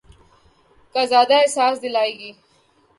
کا زیادہ احساس دلائیں گی۔